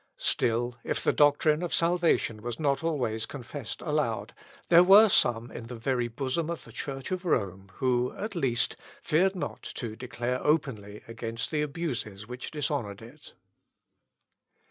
Still, if the doctrine of salvation was not always confessed aloud, there were some in the very bosom of the Church of Rome who, at least, feared not to declare openly against the abuses which dishonoured it.